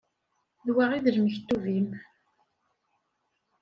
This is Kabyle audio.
D wa i d lmektub-im.